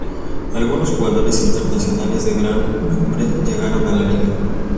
Algunos jugadores internacionales de gran nombre llegaron a la liga.